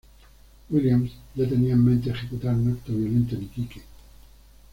Williams ya tenía en mente ejecutar un acto violento en Iquique.